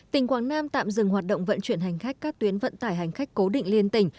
tỉnh quảng nam tạm dừng hoạt động vận chuyển hành khách các tuyến vận tải hành khách cố định liên tỉnh